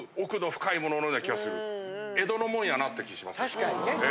確かにね。